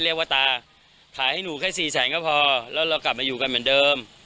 ตาขายให้หนูแค่สี่แสนก็พอแล้วเรากลับมาอยู่กันเหมือนเดิม